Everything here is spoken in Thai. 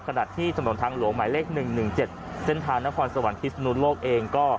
ขณะที่ถนนทางหลวงหมายเลข๑๑๗เส้นทางนครสวรรคพิศนุโลกเองก็